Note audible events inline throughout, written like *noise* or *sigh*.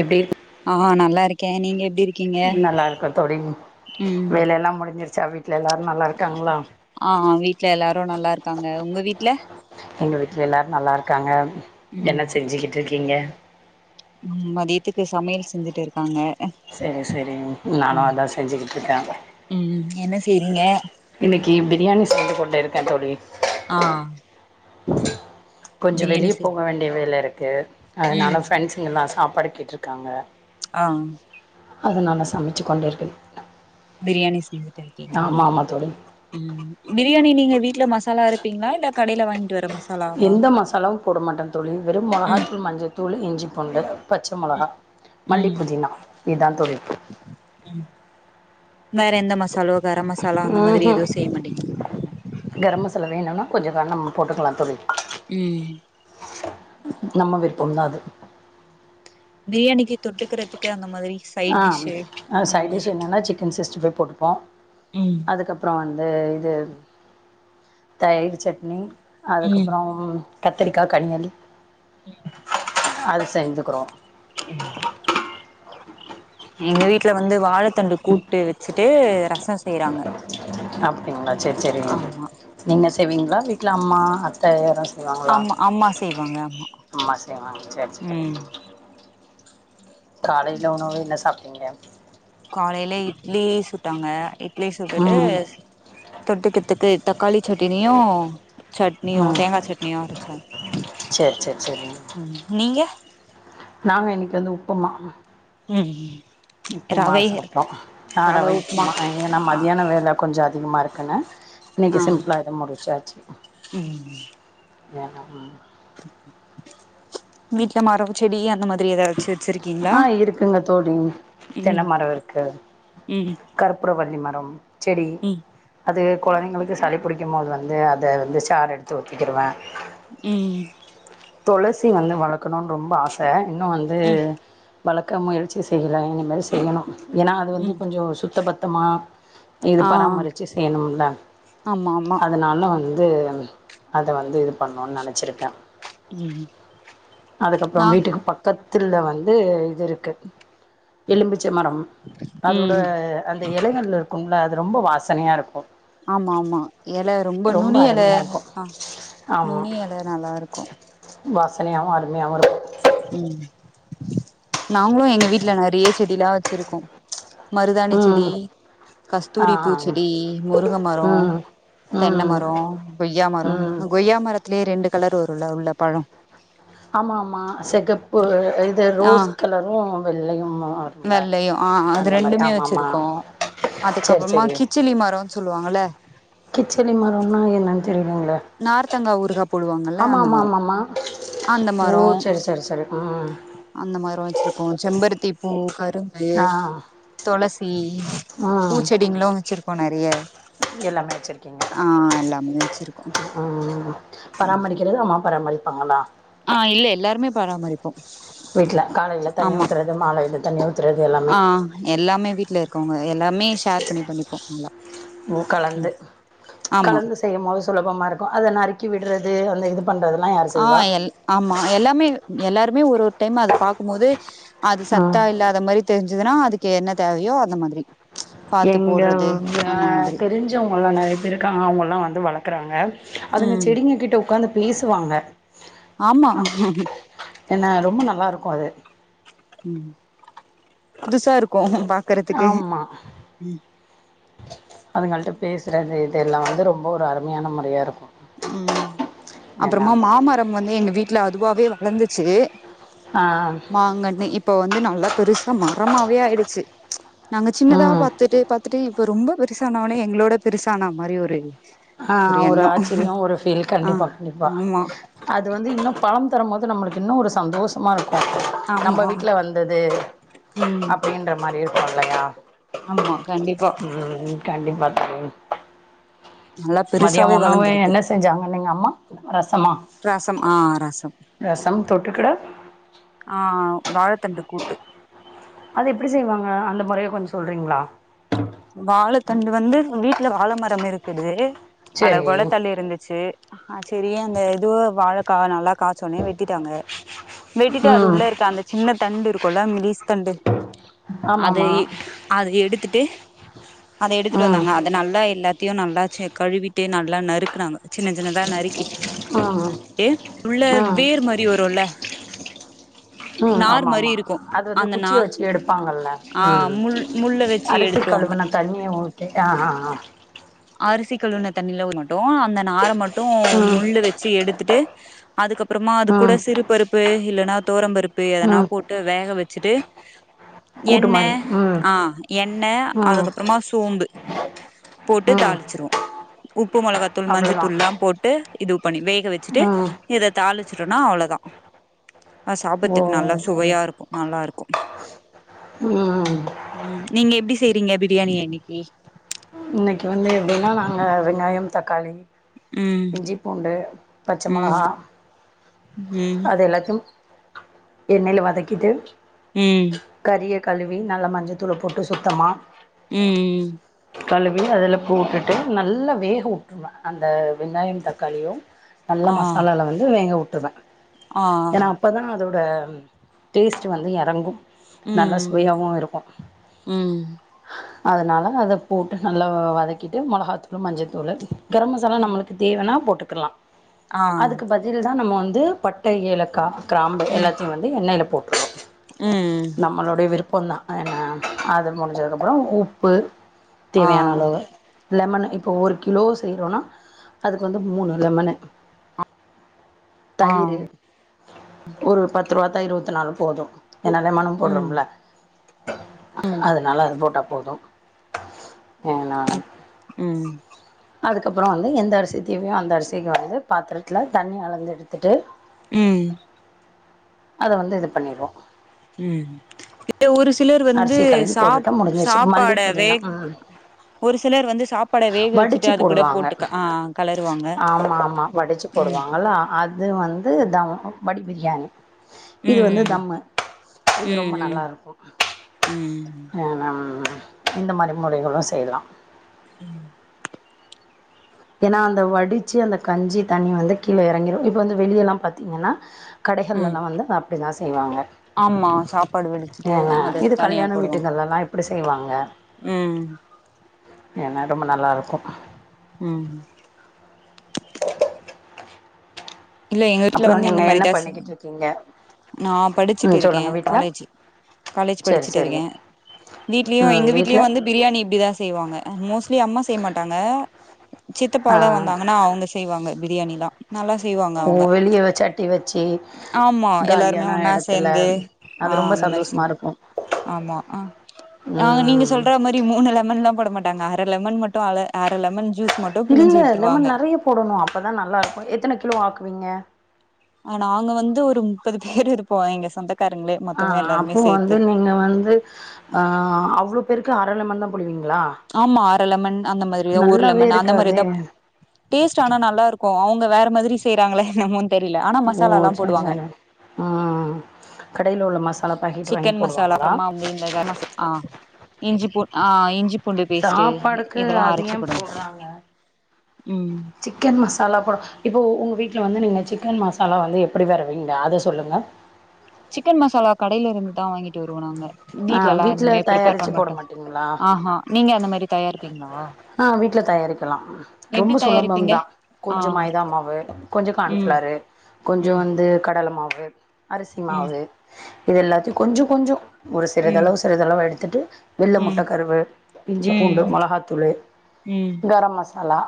எப்டி ஆஹ் நல்லா இருக்கேன் நீங்க எப்படி இருக்கீங்க நல்லா இருக்கோ தோழி உம் வேலையெல்லா முடிஞ்சிருச்சா வீட்ல எல்லாரு நல்லா இருக்காங்களா ஆஹ் வீட்டுல எல்லாரும் நல்லா இருக்காங்க உங்க வீட்டுல எங்கள் வீட்டில எல்லோரும் நல்லாருக்காங்க என்ன செஞ்சுகிட்டு இருக் கீங்க உம் மதியத்துக்கு சமையல் செஞ்சுட்டு இருக்காங்க செரி செரி நானும் ம் அதான் செஞ்சுகிட்டு இருக்கேன் ம் என்ன செய்றீங்க இன்னைக்கு பிரியாணி செஞ்சு கொண்டீருக்க தோழி ஆஹ் கொஞ்சம் வெளியே போக வேண்டிய வேலருக்கு க ம் அதனால ஃப்ரண்ட்ஸுங்க எல்லாம் சாப் படிக்கிட்டு இருக்காங்க ஆஹ் அது நால சமைச்சு கொண்டிருக்கேன் பிரியாணி செஞ்சட்டு இருக்கீங்களா தோழி உம் பிரியாணி நீங்க வீட்ல மசாலா அரப்பீங்களா இல்ல கடையில வாங்கிட்டு வர மசாலா எந்த மசாலாவும் போட மாட்டேன் தோழி வெறும் ம் மிளகாத்தூள் மஞ்சள்த்தூள் இஞ்சி கொந்தளவு பச்ச மொளகா மல்லி ம் புதினா இதுதான் தோழி ம் வேற எந்த மசாலா கரம் மசாலா அந்த மாதிரி ம்ஹூம் ஏதோ செய்ய மாட்டீங்ளா சில வேணும்னா கொஞ்சம்மா போட்டுக்கலாம் தோழி ம் நம்ம விருப்பம் தான் அது பிரியாணிக்கு தொட்டுக்கிறதுக்கு அந்த மாதிரி சைட் ஆஹ் டிஷ்ஷு அந்த சைட் மாதிரி டிஷ் என்னன்னா சிக்கன் சிக்ஸ்டி ஃபைவ் போட்டுப்போம் ம் அதுக்கப்புறம் வந்து அ இது தயிர் சட்னி ம் அதுக்கப்புறம் கத்திரிக்காய் கனியல் அது செஞ்சுக்கிறோம் எங்க வீட்டுல வந்து வாழைத்தண்டு கூட்டு வச்சுட்டு ரசம் செய்யறாங்க அப்டிங்களா சரி சரி நீங்க ச செய்வீங்களா வீட்டில் அம்மா அத்தை யார சீவங்களா ஆமா அம்மா செய்வாங்க ஆமா அம்மா செய்வாங்க சேர்ச்சு ம் காலேஜலான வ என்ன சப்ப இங்க காலையில இட்லி சுட்டாங்க இட்லி சுட்டுட்டு ம் தொட்டுக்குத்துக்கு தக்காளி சட்டினியும் சட்னியும் ம் தேங்காய் சட்னியும் அரைச்சோம் சரி சரி உம் நீங்க நாங்க இன்னைக்கு வந்து உப்புமா ம் உப்புமா ரவை சாப்டோம் ஆன் ரவ உப்புமா இங்க ஆ மதியான வேலை கொஞ்சம் அதிகமா இருக்கு கனா ஆ இன்னிக்கு சிம்பில்லா இது முடிச்சாச்சி வேனாமா வீட்டுல மரம் செடி அந்த மாதிரி ஏதாச்சு வச்சிருக்கீங்களா ஆஹ் இருக்குங்க தோழி தென்ன ம் மரம் இருக்கு ம் கருப்புர வள்ளி மரம் செடி ம் அது கொழந்தைங்களுக்கு சளி புடிக்கும்போது வந்து அதை வந்து சார் எடுத்து ஊத்திக்கிடுவேன் உம் துளசி வந்து வளர்க்கணும்னு ரொம்ப ஆசை இன்னும் வந்து ம் வளர்க்க முயற்சி செய்யலாம் இனிமேல் செய்யணும் ஏன்னா அது வந்து ம் கொஞ்சம் சுத்த பத்தமாக இது ஆ பராமரித்து செய்யணும்ல ஆமா ஆமா அதனால வந்து வந்து அத வந்து இது பண்ணும்னு நினைச்சிருக்கேன் ம் நா அதுக்கப்புறம் வீட்டுக்கு பக்கத்து தில்ல வந்து துருக்கு எலும்பிச்சை மரம் அதோட ம் அந்த எலைகள் இருக்கும்ல ரொம்ப வாசனையா இருக்கு ஆமா ஆமா எல ரொம்ப நுனி எல அருமையாக இருக்கும் அ நுனி எல நல்லா இருக்கு வாசனையாவு அருமையாவு இருக் உம் நாங்களு எங்க வீட்ல நறைய செடில்லா வெச்சிருக்கோ மருதாணி செடி ம் ஆ கஸ்தூரி ஆ பூச்செடி முருங்க மரொ ம் தென்ன ம் மரொ கொய்யா மரொ ம் கொய்யா மரத்லே ரெண்டு கலர் வருல்ல உள்ள பழொ ஆமா ஆமா செகப்பு இது ஆ ரோஸ் கலரு வெள்ளையுமா வெள்ளையு அ அது ரெண்டுமே ஆமாம் வெச்சிருக்கோ சரி அதுக்கப்றமா சரி கிச்சிலி மரோன் சொல்லுவாங்கல்ல கிச்சடி மரம்னா நார்த்தங்கா ஊறு ஆமா ஆமா ஆமா ஆமா அந்த ஓ மரோ சரி சரி சரி உம் இருக்கு செம்பருத்தி பூ க ஆ *unintelligible* தொளசி ம் பூச்செடிங்ளு வச்சிருக் இப்போ நறைய எல்லாமே அ எல்லாமே வச்சிருக்கோ அ அ பராமரிக்கிறது ஆமா பராமரிப்பாங்களா அ இல்ல எல்லாருமே பராமரிப் போ வீட்டில் காலையில் தண்ணி ஆமா ஊற்றுறது மாலையில் தண்ணி ஊற்றுறது எல்லாமே அ எல்லாமே வீட்ல இருக்கவ்ங்க எல்லாமே ஷேர் பண்ணி பண்ணிப்போ நல்லா ஓ உம் ஆமா சுலபமா இருக்கு அத நறுக்கி விட்றது அந்த இது பண்ணுறதெல்லாம் யார் அ செய்வா எல் ஆமா எல்லாமே எல்லாரு ருமே ஒரு ஒரு டைம் அத பாக்கும் போது அது ம் சத்தா இல்லாத மாரி தெரிஞ் இதுன்னா அதுக்கு என்ன தேவையோ அந்த மாதிரி பாத்து எங்க போடுறது அ அந்த மாதிரி தெரிஞ்சவங்கல்லா நறைய பேர்ருக்காங்க அவுங்கல்லா வந் வளக்குறாங்க அதுங்க ம் செடிங்க கிட்ட உக்காந்து பேசுவாங்க ஆமா ஏனா ரொம்ப நல்லா இருக்கு அது உம் புதுசா இருக்கு பாக்குறதுக்கு ஆமா ம் அதுங்கள்ட்ட பேசுறது இதெல்லா வந்து ரொம்ப ஒரு அருமையான முறையா இருக்கும் உம் அப்புறமா மாமரம் வந்து எங்க வீட்டுல அதுவாவே வளர்ந்துச்சு ஆ மாங்கன்னு இப் இப்போ வந்து நல்லா பெருசா மரமாவே ஆயிடுச்சு ச்சு நாங்க சின்னதா ம் பாத்துட்டு பாத்துட்டு இப்போ ரொம்ப பெருசானவுடனே எங்களோட பெருசானா மாரி ஒரு அஹ் ஒரு ஆச்சரியம் ஒரு ஃபீல் ஆ கண்டிப்பா கண்டிப்பா ஆமா அது வந்து இன்னு பழம் தரும்போது நம்மளுக்கு இன்னு ஒரு சந்தோஷமா இருக் நம்ம ஆமா வீட்டுல வந்தது ம் அப்படீன்ற மாரி இரு தொல்லையா ஆமா கண்டிப்பா உம் நல்லா மதிய பெருசாவே உணவு வளர்ந்திருக்கு என்ன செஞ்சாங்கனீங்க அம்மா ரசமா ரசம் ஆ ரசம் ரசம் தொட்டுக்கிட தண்டு கூட்டு அது எப்படி செய்வாங்க அந்த மொறைய கொஞ்சோ சொல்றீங்களா வாழத் தண்டு வந்து வீட்டுல வாழ மரம் இருக்குது அல சேரி கொளத்தள்ளி இருந்துச்சு ஆஹ ஹ செரி அந்த இதுவ வாழக்காவ நல்லா காச்சோனே வெட்டிட்டாங்க வெட்டிட்டு அது ம் உள்ள இருக்க அந்த சின்ன தண்டு இருக்கு கொல மெலீஸ் தண்டு அது ஆமாம்மா இ அது எடுத் த்துட்டு அத எடுத்துட்டு ம் வந்தாங்க அது நல்லா இல்ல த்தியு நல்லா ச்சு கழுவிட்டு நல்லா நறுக்குனாங்க சின்ன சின்னதா ம் நறுக்கிட்டு உள்ள ம் வேர் மாரி வருல்ல ம் நார் மாரி ஆமாம்மா இருக்கு அது வந்து அந்த நா குச்சியை வச்சு எடுப்பாங்கல்ல ஆ முள் முள்ள வச்சி எடுத்துருவாங்க தண்ணிய ஊத்திட்டு ஆ ஆ ஆ அரிசி கழுவுன தண்ணில ஊறனு ட்டு அந்த நார மட்டு ம் முள்ளு வச்சு எடுத்துட்டு அதுக்கப்புறமா அது கூட ம் சிறுபருப்பு இல்லனா துவரம்பருப் பு எதனா ம் போட்டு வேக வச் வெச்சுட்டு கூட்டு எண்ண மாதிரி ம் ஆஹ எண்ணெய் ம் அதுக்கப்புறமா சோம்பு விட்டு ம் தாளிச்சிருவோ உப்பு மொளகாத்தூள் அவ்வளோதான் மஞ்சத்தூள்ல்லா போட்டு இது பண்ணி வேக வெச்சுட்டு ம் இத தாளிச்சருனு அவ்ளதா அ ஓ சாப்பத்துக்கு நல்லா சுவையா இருக்கு நல்லாருக்கு ம் நீங்க எப்டி செய்ரீங்க பிரியாணிய இன்னக்கி இன்னைக் இது வந்து எப்டினா நாங்க வெங்காயம் தக்காளி ம் இஞ்சி பூண்டு ம் பச்சமொளகா ம் அது எல்லாத்தயு எண்ணைல வதக்கிட்டு உம் கறியை கழுவி நல்ல மஞ்சத்தூள போட்டு சுத்தமா உம் கழுவி அதுல போட்டுட்டு நல்லா வேக வுட்ருவ அந்த வெங்காயம் தக்காளியு நல்ல ஆ மசாலால வந்து வேக வுட் ட்ருவ ஆ ஏனா அப்பதா அதோ த டேஸ்ட் வந்து எறங்கும் நல்ல ம் சுவையாவு இருக்கு ம் அதனால அத போட்டு நல்லா வதக்கிட்டு மொளகாத்தூளு மஞ்சத்தூளு கரம் மசாலா நம்மளுக்கு தேவனா போட் டுக்கலா ஆ அதுக்கு பதில்தா நம்ம வந் து பட்ட ஏலக்கா கிராம்பு எல்லாத்தையு வந்து எண்ணெய்ல போட் உம் பொண்ணா அனா அது முடுஞ்சதுக்கப்பறோ உப் ப்பு ஆ தேவயான அளவு லெமனு இப்போ ஒரு கிலோ செய்றோனா அதுக்கு வந்து மூணு லெமனு ஆ தயிரு ஒரு பத்து ருவா தயிர் ஊத்துனாலு போது என்னால மனம் ம் போடுறோம்ல ம் அதனால அத போட்டா போது ஏனா ம் அதுக்கப்றோ வந்து எந்த அரிசி தேவயோ அந்த அரிசிக்கு வந்து பாத்தரத்ல தண்ணி அளந்து எடுத்துட்டு உம் அத வந்து இது பண்ணிறுவோ உம் *inaudible* ஒரு சிலர் வந்து அரிசியை கழுவி சாப் போட்டுட்டா முடிஞ்சிருச்சு மல்லி சாப்பாட வே புதினா ம் ஒரு சிலர் வந்து சாப்பாட வேக வச் வடிச்சு போடுவாங்க ஆமாமா வடிச்சு ம் போடுவாங்கல்லா அது வந்து தம் அ ஹ வடி பிரியாணி இது வந்து ம் தம்மு இது ரொம்ப நல்லா ம் இருக்கு ம் ஹ் நம் இந்த மாரி முறைகளு செய்யலா உம் ஏனா அந்த வடிச்சு அந்த கஞ்சி தண்ணி வந்து கீழே எறங்கிரு இப்ப வந்து வெளியல்லா பாத்தீங்கன்னா ம் கடைஹல்லலா வந்து அப் ப்டிதா செய்வாங்க ஆமா சாப்பாடு வெடிச்சிட்டு அத தனியா போடுவோ இப்டி செய்வாங்க உஹ்ம் ஏனா ரொம்ப நல்லா இருக்கு உம் இல்ல எங்க வீட்டுல அப்புறம் வந்து இந்த நீங்க என்ன மாரிதா செய் பண்ணிக்கிட்டு இருக்கீங்க நா படிச்சிட்டு ம் இருக்கே சொல்லுங்க வீட்ல காலேஜ் காலேஜ் சரி படிச்சிட்டு சரி இருக்கே வீட்லயு ம் எங்க வீட்லயு வீட்ல வந்து பிரியாணி இப்டிதா செய்வாங்க மோஸ்ட்லி அம்மா செய்ய மாட்டாங்க சித்தப்பாலா ஆ வந்தாங்கன்னா அவங்க செய்வாங்க பிரியாணிலா நல்லா செய்வாங்க அவங்க வெளிய வ சட்டி வச்சு ஆமா எல்லாருமே காலியான ஒன்னா எடத்துல சேந்து ஹா அது ரொம்ப அந்த மாரி சந்தோஷமா செய்வோ இருக்கு ஆமா ஆ நீங்க ம் சொல்ற மாரி மூணு லெமன்லா போட மாட் டாங்க அர லெமன் மட்டு அர அர லெமன் ஜூஸ் மட்டு இல்ல பிழிஞ்சு லெமன் விட்டுருவாங்க நெறய போடணு அப்பதா நல்லா இருக்கு எத்தன கிலோ ஆக்க விங்க நாங்க வந்து ஒரு முப்பது பேர் இருப்போ எங்க சொந்த ஆஹ் அப்போ வந்து நீங்க வந்து அஹ் அவ்ளோ பேருக் கு அர லெமன் தா போடுவீங் ஆமா அர லெமன் அந்த மாரி ஒரு நல்லாவே லெமன் அந்த இருக்காதே மாரிதா டேஸ்ட் ஆனா நல்லா இருக்கு அவுங்க வேற மாதிரி செய்றாங்களே நம வந் ஓ சரி சரி உஹ்ம் கடைல உள்ள மசாலா பாக்கட்டு வாங்கி சிக்கன் மசாலா போடுவாங்களா இஞ்சிப்பூ ஆஹ் இஞ்சி பூண்டு பேஸ்ட்டு சாப்பாடுக்கு இதெல்லா அரைச்சு அதிகம் போடுவோ போடுறாங்க ம் சிக்கன் மசாலா போடு இப்போ உங்க வீட்டுல வந்து நீங்க சிக்கன் மசாலா வந்து எப்டி வரவீங்க அத சொல்லுங்க சிக்கன் மசாலா கடையில இருந்து தா வாங்கிட்டு வருவோ நாங்க ஆ வீட்ல எல்லா எதுமே பிரிப்பேர் பண்ண தயாரிச்சு போட மாட்டோ மாட்டீங்களா ஆஹஹா நீங்க அந்த மாரி தயாரி என்கா ஆஹ் வீட்டுல தயாரிக்கலா எப்டி ரொம்ப சுலபம் தயாரிப்பீங்க தா ஆ கொஞ்சொ மைதா மாவு கொஞ்சொ ம் கான்ப்ஃளாரு கொஞ்சொ ம் வந்து கடல மா வு அரிசி ம் மாவு இது எல்லாத்தையு கொஞ்சொ கொஞ்சொ ஒரு ம் சிறிதளவு சிறிதளவு எடுத் துட்டு வெள்ள முட்ட ம் கருவு இஞ்சிப்பூண்டு ம் மொளகாத்தூளு ம் கரம் மசாலா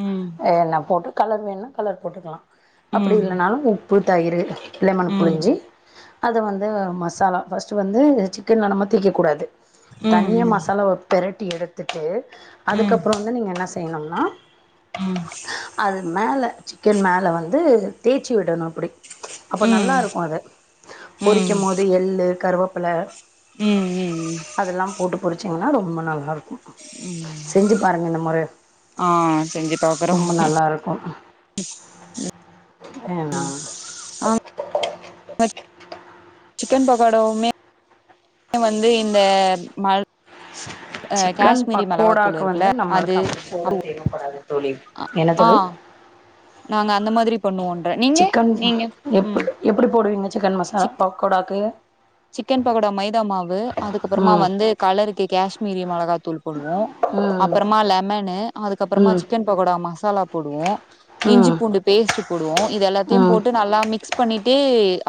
ம் என்ன போட் டு கலர் வேணுணா கலர் போட்டுக்கலா அப்டி ம் இல்லனாலு உப்பு தயிரு லெமன் ம் புளிஞ்சு ம் அத வந்து மசாலா ஃபஸ்ட்டு வந்து சிக்கன்ல நம்ம தீ்க்ககூடாது ம் தனியா மசாலாவ பெரட் டி எடுத்துட்டு ம் அதுக்கப்புறொ வந்து நீங்க என்னச் செய்யணும்னா ம் அது மேல சிக்கன் மேல வந்து தேய்ச்சு விடணு அப்டி அப்ப நல்லா இருக்கு அது ம் பொரிக்கும் போது எள்ளு கருவ பில ம் ம் அதெல்லா போட்டு பொரிச்சிங்க அ ரொம்ப நல்லா செஞ்சு பாருங்க இந்த மொர ஆ செஞ்சு பாக்குறோ ரொம்ப நல்லா இருக்கும் ம் ஆஹ் சிக்கன் பகோடாவுமே வந்து இந்த மழ சிக்கன் பக்கோடாக்கு வந்து இருக்குல்ல அது நம்மளுக்கு அப்படி போட தேவைப்படாது தோழி என்ன ஆ தோழி நாங்க அந்த மாதிரி பண்ணுவோன்ற நீங்க சிக்கன் நீங்க எப் ம் எப்பிடி போடுவீங்க சிக்கன் மசாலா சிக் பக்கோடாக்கு சிக்கன் பகோடா மைதா மாவு அதுக்கப்புறமா ம் வந்து கலருக்கு கஷ் மீரி மொளகாத் தூள் போடுவோ ம் அப்பறமா லெமனு அதுக்கப்புறமா ம் சிக்கன் பகோடா மசாலா போடுவோம் இஞ்சி ம் பூண்டு பேஸ்ட்டுப் டுவோம் இது எல்லாத்தையும் ம் போட்டு நல்லா மிக்ஸ் பண்ணிட் ட்டு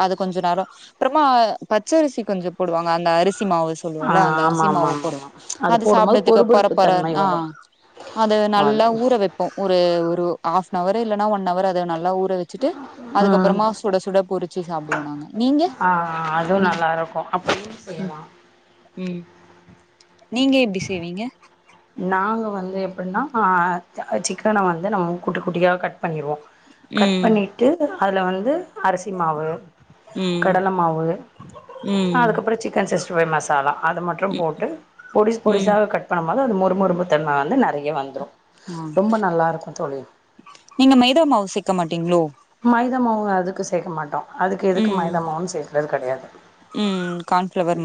அதக் கொஞ்ச நேரம் அப்புறமா பச்சரிசி கொஞ்சம் போடுவாங்க அந்த அரிசி அரிசி மாவு ஆ சொல்லுவோம்ல அந்த அரிசி ஆமா ஆமா மாவு ஆமா போடு ஆமா அது போடும்போது சாப்டதுக்கு பொறுபொறுப்பு பறப்பறன் தன்மை வரும் ஆஹ் அது நல்லா ஊற வெப்போம் ஒரு ஒரு ஆஃப் அவரு இல்லன்னா ஒன் அவர் அதே *unintelligible* ல்லா ஊற வச்சுட்டு ம் அதுக்கப்பறமா சுடச் சுட பொரிச்சு சாப்பிடுவோ நாங்க நீங்க ஆ அதுவும் நீங் நல்லாருக்கும் அப்பிடியும் செய்யலாம் உம் நீங்க எப்பிடி செய்வீங்க து எப்பிடின்னா ஆஹ் சிக்கன வந்து நம்ம குட்டி குட்டியாக் கட் பண்ணிருவோம் கட் ம் பண்ணிட்டு அதுல வந்து அரிசி மாவு ம் கடல மாவு ம் அதுக்கப்புறம் சிக்கன் சிக்ஸ்ட் சுவை மசாலா அத மட்றும் போட்டு பொடிஸ் ம் பொடிசாக கட் பண்ணும்போது அது மொ மொறுப்புத்தன்ம வந்து நெறைய வந்துரும் ஹ் நீங்க மைதா மாவு சேக்க மாட்டீங்களோ மைதா மாவு அதுக்கு சேக்க மாட்டோம் அதுக்கு எதுக்கு மைதமாவு சேர்க் லது கெடயாது உம் கார்ன்ஃப்ளவர் மா